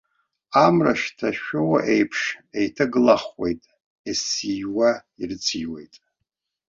Амра шҭашәо еиԥш еиҭагылахуеит, ес-ииуа ирыциуеит.